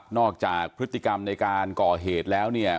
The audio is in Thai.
นอกจากพฤติกรรมในการก่อเหตุแล้ว